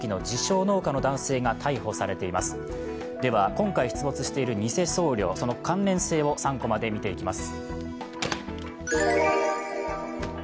今回出没している偽僧侶、その関連性を３コマで見ていきます。